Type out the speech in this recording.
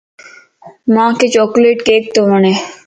مانک چوڪليٽ ڪيڪ تو وڻ